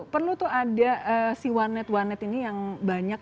perlu tuh ada si warnet warnet ini yang banyak